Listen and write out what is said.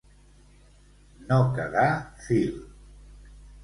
No quedar fil.